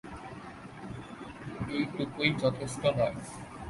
এটুকুই যথেষ্ট নয়।